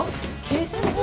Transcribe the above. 警察？